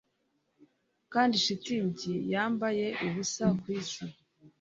Kandi shitingi yambaye ubusa kwisi.